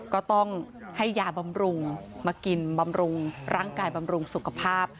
ก็ต้องให้ยาบำรุงมากินบำรุงร่างกายบำรุงสุขภาพ